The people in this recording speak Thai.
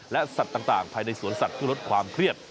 และสัตว์ต่างภายในสวนสัตว์เพื่อลดความเครียด